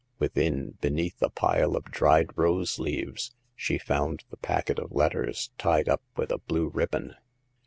Within, be neath a pile of dried rose leaves, she found the packet of letters, tied up with a blue ribbon.